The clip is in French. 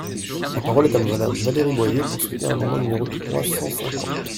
La parole est à Madame Valérie Boyer, pour soutenir l’amendement numéro trois cent cinquante.